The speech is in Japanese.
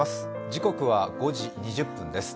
時刻は５時２０分です。